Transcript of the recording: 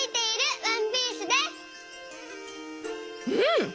うん！